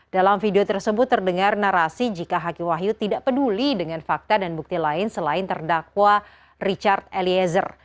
dalam video tersebut terdengar narasi jika hakim wahyu tidak peduli dengan fakta dan bukti lain selain terdakwa richard eliezer